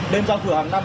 đến giao thử hàng năm